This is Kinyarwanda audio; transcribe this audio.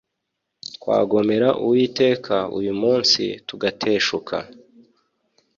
twagomera Uwiteka uyu munsi tugateshuka